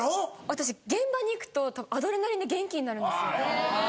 私現場に行くとアドレナリンで元気になるんですよ。